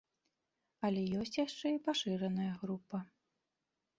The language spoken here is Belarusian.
Але ёсць яшчэ і пашыраная група.